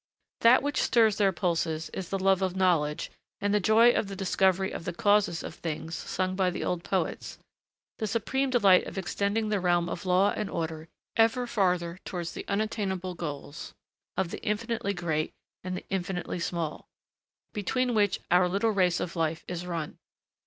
That which stirs their pulses is the love of knowledge and the joy of the discovery of the causes of things sung by the old poets the supreme delight of extending the realm of law and order ever farther towards the unattainable goals of the infinitely great and the infinitely small, between which our little race of life is run.